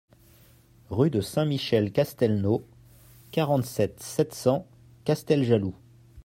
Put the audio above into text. Rue de Saint-Michel Castelnau, quarante-sept, sept cents Casteljaloux